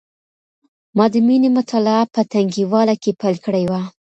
ما د مینې مطالعه په تنکیواله کي پیل کړې وه.